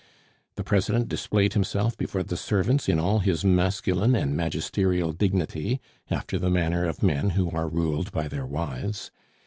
The President displayed himself before the servants in all his masculine and magisterial dignity, after the manner of men who are ruled by their wives.